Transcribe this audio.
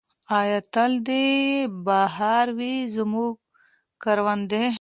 او تل دې بہار وي زموږ کروندې.